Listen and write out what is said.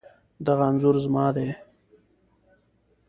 دغه انځور زما دی